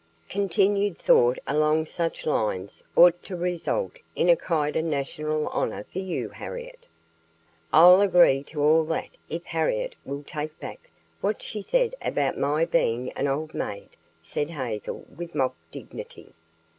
"Continued thought along such lines ought to result in a Keda National Honor for you, Harriet." "I'll agree to all that if Harriet will take back what she said about my being an old maid," said Hazel with mock dignity.